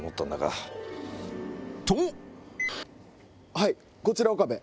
はいこちら岡部。